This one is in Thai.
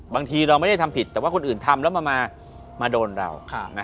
บางทีเราไม่ได้ทำผิดแต่ว่าคนอื่นทำแล้วมาโดนเรา